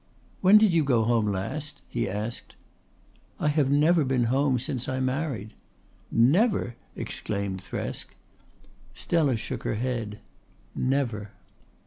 "When did you go home last?" he asked. "I have never been home since I married." "Never!" exclaimed Thresk. Stella shook her head. "Never."